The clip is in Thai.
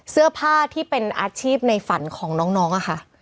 เสื้อผ้าที่เป็นอาชีพในฝันของน้องอะค่ะ